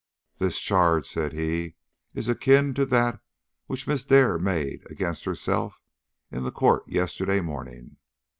"This charge," said he, "is akin to that which Miss Dare made against herself in the court yesterday morning.